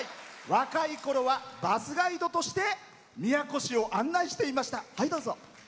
若いころは、バスガイドとして宮古市を案内していました。